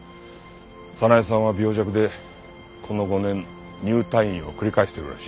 早苗さんは病弱でこの５年入退院を繰り返しているらしい。